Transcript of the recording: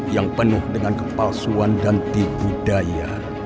yang penuh dengan kepalsuan dan dibudaya